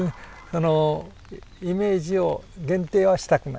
あのイメージを限定はしたくない。